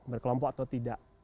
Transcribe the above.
berkelompok atau tidak